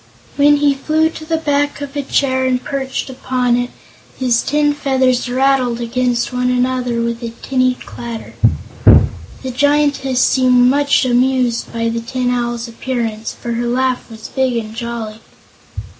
When he flew to the back of a chair and perched upon it, his tin feathers rattled against one another with a tinny clatter. The Giantess seemed much amused by the Tin Owl's appearance, for her laugh was big and jolly.